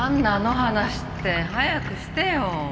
話って。早くしてよ。